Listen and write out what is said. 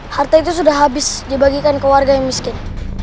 harta itu sudah habis dibagikan ke warga yang miskin